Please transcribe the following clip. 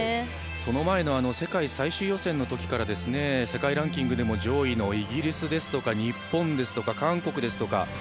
その前の世界最終予選のときから世界ランキングでも上位のイギリスですとか日本ですとか韓国ですとか。